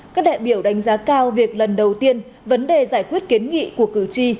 các đại biểu đánh giá cao việc lần đầu tiên vấn đề giải quyết kiến nghị của cử tri